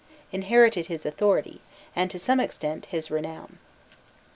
inherited his authority, and to some extent his renown.